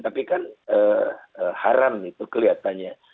tapi kan haram itu kelihatannya